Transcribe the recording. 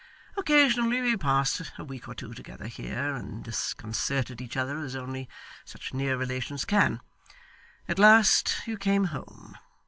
Occasionally we passed a week or two together here, and disconcerted each other as only such near relations can. At last you came home.